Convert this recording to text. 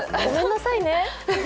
ごめんなさいね。